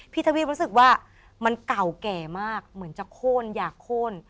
ทวีปรู้สึกว่ามันเก่าแก่มากเหมือนจะโค้นอยากโค้น